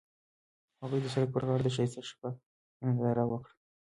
هغوی د سړک پر غاړه د ښایسته شپه ننداره وکړه.